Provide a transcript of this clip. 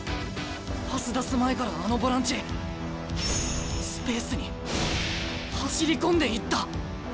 パス出す前からあのボランチスペースに走り込んでいった！